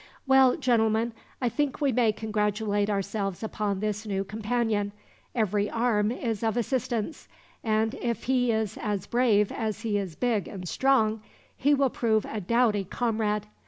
"Well, gentlemen, I think we may congratulate ourselves upon this new companion. Every arm is of assistance; and if he is as brave as he is big and strong, he will prove a doughty comrade.